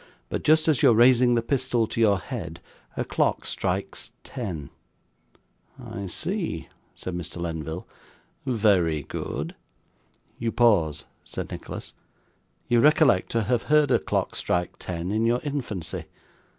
But, just as you are raising the pistol to your head, a clock strikes ten.' 'I see,' cried Mr. Lenville. 'Very good.' 'You pause,' said Nicholas; 'you recollect to have heard a clock strike ten in your infancy.